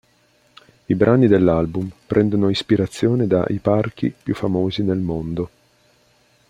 I brani dell'album prendono ispirazione da i parchi più famosi nel mondo.